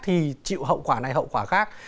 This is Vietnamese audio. thì chịu hậu quả này hậu quả khác